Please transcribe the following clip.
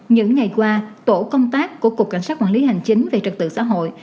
những ngày qua tổ công tác của cục cảnh sát quản lý hành chính về trật tự xã hội